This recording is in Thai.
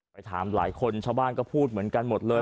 ไปถามหลายคนชาวบ้านก็พูดเหมือนกันหมดเลย